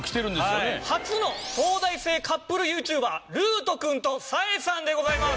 初の東大生カップルＹｏｕＴｕｂｅｒるうと君とさえさんでございます。